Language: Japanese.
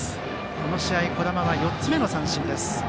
この試合、児玉は４つ目の三振です。